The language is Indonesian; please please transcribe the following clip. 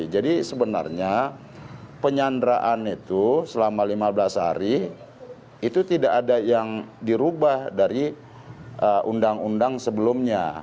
jadi sebenarnya penyanderaan itu selama lima belas hari itu tidak ada yang dirubah dari undang undang sebelumnya